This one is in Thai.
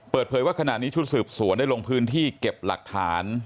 เปิดเผยว่าขณะนี้ชุดสืบสวนได้ลงพื้นที่เก็บหลักฐาน